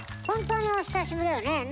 本当にお久しぶりよね。